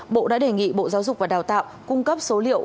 bộ đã đề nghị bộ giáo dục và đào tạo cung cấp số liệu